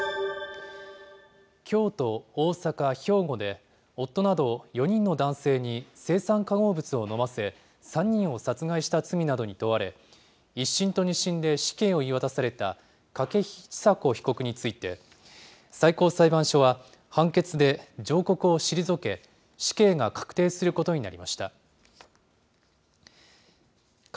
京都、大阪、兵庫で、夫など４人の男性に青酸化合物を飲ませ、３人を殺害した罪などに問われ、１審と２審で死刑を言い渡された筧千佐子被告について、最高裁判所は判決で上告を退け、死刑が確定することになりました。